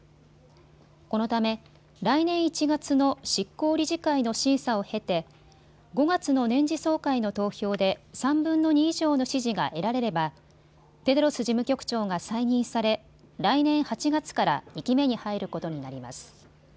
このため来年１月の執行理事会の審査を経て５月の年次総会の投票で３分の２以上の支持が得られればテドロス事務局長が再任され来年８月から２期目に入ることになります。